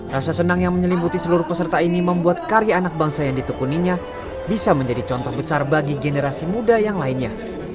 rasa senang yang menyelimuti seluruh peserta ini membuat karya anak bangsa yang ditekuninya bisa menjadi contoh besar bagi generasi muda yang lainnya